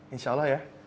insya allah ya